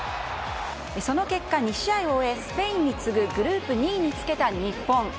その結果、２試合を終え、スペインに次ぐグループ２位につけた日本。